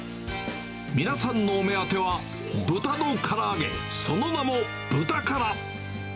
皆さんのお目当ては豚のから揚げ、その名もブタカラ。